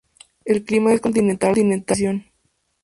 El clima es continental de transición.